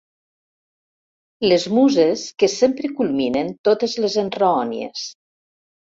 Les muses que sempre culminen totes les enraonies.